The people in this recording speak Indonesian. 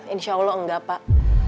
insya allah enggak pak